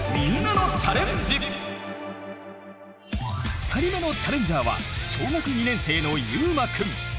２人目のチャレンジャーは小学２年生のゆうまくん。